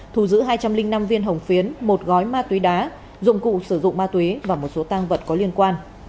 thu giữ hai trăm linh năm viên hồng phiến một gói ma túy đá dụng cụ sử dụng ma túy và một số tăng vật có liên quan